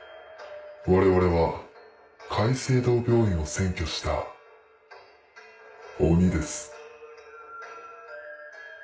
我々は界星堂病院を占拠した鬼です。